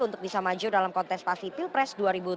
untuk bisa maju dalam kontestasi pilpres dua ribu dua puluh